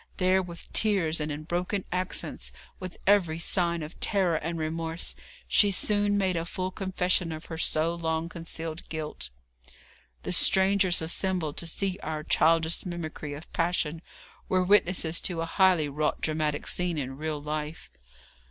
There, with tears and in broken accents, with every sign of terror and remorse, she soon made a full confession of her so long concealed guilt. The strangers assembled to see our childish mimicry of passion were witnesses to a highly wrought dramatic scene in real life.